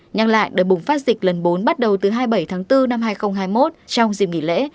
nhắc lại đợt bùng phát dịch lần bốn bắt đầu từ hai mươi bảy tháng bốn năm hai nghìn hai mươi một trong dịp nghỉ lễ